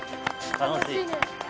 楽しいね。